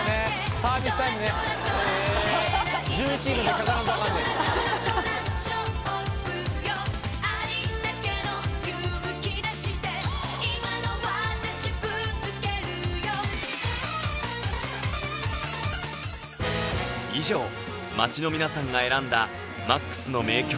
サービスタイムね１１時までにかからんとあかんねん以上街の皆さんが選んだ「ＭＡＸ」の名曲